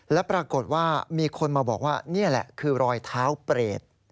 แล้วปรากฏว่ามีคนมาบอกว่านี่แหละคือรอยเท้าเปรต